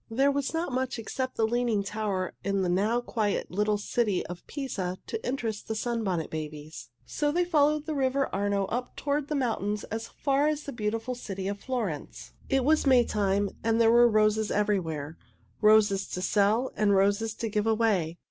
There was not much except the Leaning Tower in the now quiet little city of Pisa to interest the Sunbonnet Babies, so they followed the river Arno up toward the mountains as far as the beautiful city of Florence. It was Maytime, and there were roses everywhere roses to sell and roses to give away.